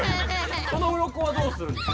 そのうろこはどうするんですか？